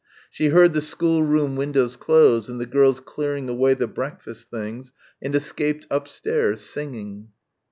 She heard the schoolroom windows close and the girls clearing away the breakfast things and escaped upstairs singing.